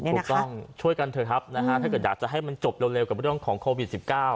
กลัวต้องช่วยกันเถอะครับถ้าอยากจะให้มันจบเร็วกับวิธีของโควิด๑๙